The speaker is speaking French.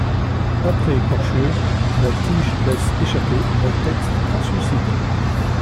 Après écorchure, la tige laisse échapper un latex translucide.